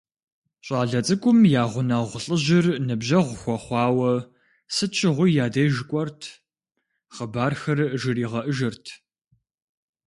ЩӀалэ цӀыкӀум я гъунэгъу лӀыжьыр ныбжьэгъу хуэхъуауэ, сыт щыгъуи и деж кӀуэрт, хъыбархэр жригъэӀэжырт.